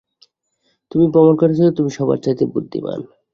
তুমি প্রমাণ করেছো তুমি সবার চাইতে বুদ্ধিমান।